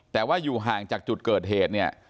แต่ว่าอยู่ห่างจากจุดเกิดเหตุเนี่ย